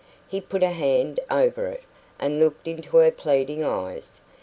He put a hand over it, and looked into her pleading eyes.